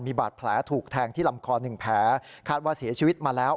มีบาดแผลถูกแทงที่ลำคอหนึ่งแผลคาดว่าเสียชีวิตมาแล้ว